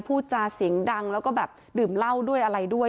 พูดจาเสียงดังแล้วก็แบบดื่มเหล้าด้วยอะไรด้วย